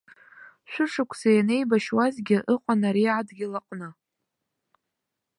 Шәышықәса ианеибашьуазгьы ыҟан ари адгьыл аҟны.